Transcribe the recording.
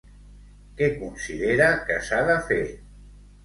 Què considera que s'ha de fer?